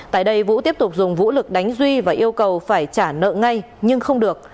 tại đây vũ tiếp tục dùng vũ lực đánh duy và yêu cầu phải trả nợ ngay nhưng không được